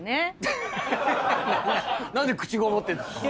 何で口ごもってんですか？